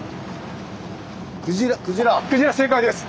クジラ正解です！